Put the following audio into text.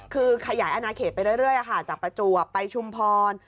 คือขยายอนาเขตไปเรื่อยจากประจวบไปชุมพร